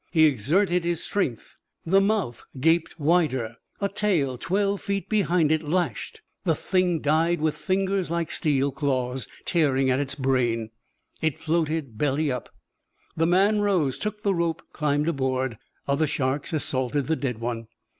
He exerted his strength. The mouth gaped wider, a tail twelve feet behind it lashed, the thing died with fingers like steel claws tearing at its brain. It floated belly up. The man rose, took the rope, climbed aboard. Other sharks assaulted the dead one.